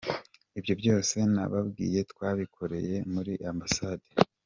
Ibyo byose nababwiye twabikoreye muri ambasade.